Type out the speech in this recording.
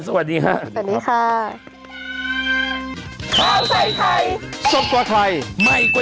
สวัสดีค่ะสวัสดีค่ะ